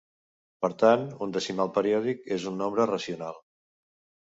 Per tant, un decimal periòdic és un nombre racional.